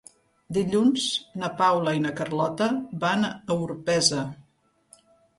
Dilluns na Paula i na Carlota van a Orpesa.